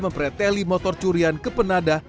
mempreteli motor curian kepenada